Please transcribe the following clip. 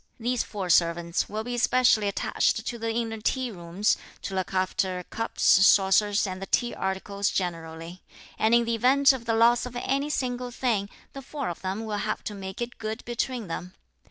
These four servants will be specially attached to the inner tea rooms to look after cups, saucers and the tea articles generally; and in the event of the loss of any single thing, the four of them will have to make it good between them.